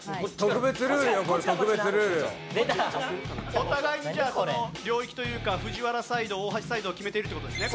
お互いにじゃあ領域というか藤原サイド大橋サイドを決めているという事ですね。